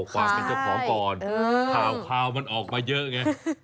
ความเป็นเจ้าของก่อนข่าวมันออกมาเยอะไง